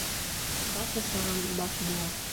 Баш ашаған баш була